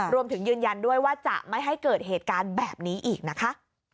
ยืนยันด้วยว่าจะไม่ให้เกิดเหตุการณ์แบบนี้อีกนะคะ